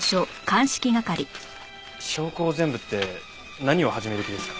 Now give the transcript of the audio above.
証拠を全部って何を始める気ですか？